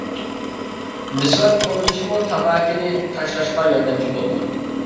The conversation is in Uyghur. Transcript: مىسۋاك قوللىنىشمۇ تاماكىنى تاشلاشقا ياردەمچى بولىدۇ.